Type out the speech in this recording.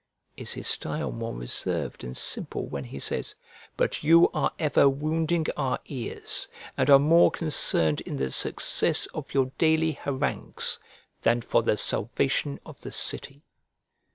Is his style more reserved and simple when he says: "But you are ever wounding our ears, and are more concerned in the success of your daily harangues than for the salvation of the city?"